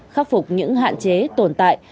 khắc phục những hạn chế tồn tại